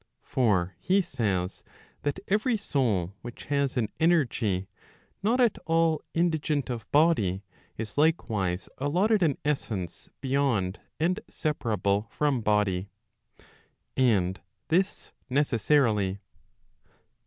For he says, that every soul which has an energy not at all indigent of body, is likewise allotted an essence beyond and separable from body. And this necessarily.